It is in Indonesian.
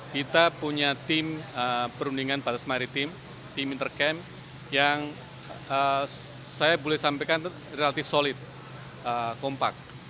kita punya tim perundingan batas maritim tim intercamp yang saya boleh sampaikan itu relatif solid kompak